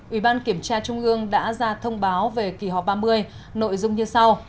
ủy ban kiểm tra trung ương đã ra thông báo về kỳ họp ba mươi nội dung như sau